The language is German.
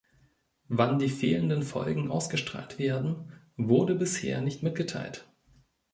Wann die fehlenden Folgen ausgestrahlt werden, wurde bisher nicht mitgeteilt.